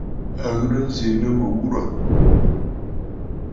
À ghɨ̀rə nzì nɨ mɨ̀ghurə̀.